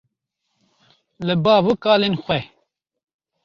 li bav û kalên xwe